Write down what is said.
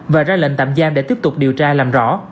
và ra lệnh tạm giam để tiếp tục điều tra làm rõ